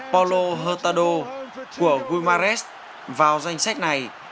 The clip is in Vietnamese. paulo hurtado của guimaraes vào danh sách này